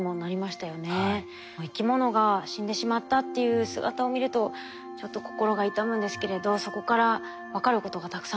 生き物が死んでしまったっていう姿を見るとちょっと心が痛むんですけれどそこから分かることがたくさんあるんですね。